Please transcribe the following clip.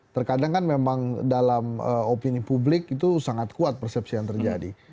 terkadang kan memang dalam opini publik itu sangat kuat persepsi yang terjadi